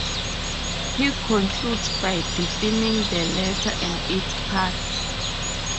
He concludes by defining the letter and its parts.